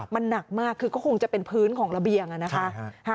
มันหนักมากคือก็คงจะเป็นพื้นของระเบียงนะคะ